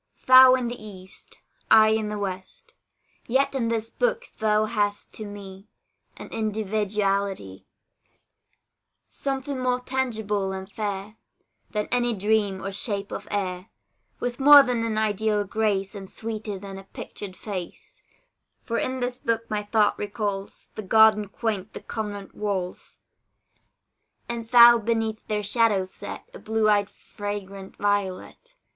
Thou in the east, I in the west; Yet in this book thou hast to me An individuality; Something more tangible and fair Than any dream or shape of air, With more than an ideal grace, And sweeter than a pictured face: For in this book my thought recalls The garden quaint, the convent walls. And thou beneath their shadow set, A blue eyed fragrant violet.